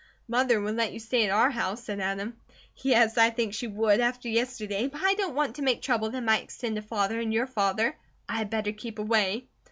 "Mother would let you stay at our house," said Adam. "Yes, I think she would, after yesterday; but I don't want to make trouble that might extend to Father and your father. I had better keep away."